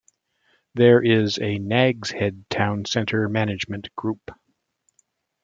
There is a Nag's Head Town Centre Management Group.